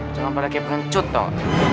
jangan pada kayak pengen cut dong